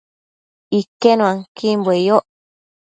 Iquenuanquimbue yoc